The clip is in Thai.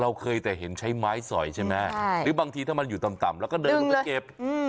เคยแต่เห็นใช้ไม้สอยใช่ไหมหรือบางทีถ้ามันอยู่ต่ำแล้วก็เดินลงไปเก็บ